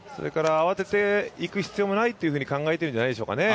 慌てていく必要もないと考えてるんじゃないでしょうかね。